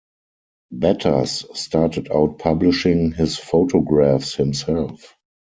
Batters started out publishing his photographs himself.